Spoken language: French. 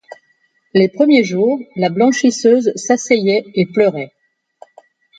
Les premiers jours, la blanchisseuse s'asseyait et pleurait.